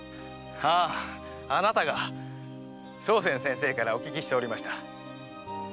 あああなたが笙船先生からお聞きしておりました。